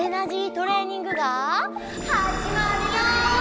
トレーニングがはじまるよ！